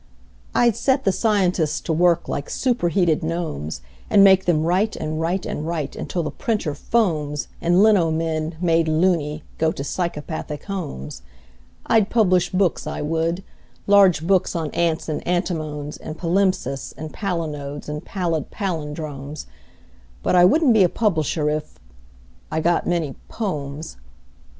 I'd set the scientists to work like superheated gnomes, And make them write and write and write until the printer foams And lino men, made "loony", go to psychopathic homes. I'd publish books, I would large books on ants and antinomes And palimpsests and palinodes and pallid pallindromes: But I wouldn't be a publisher if .... I got many "pomes."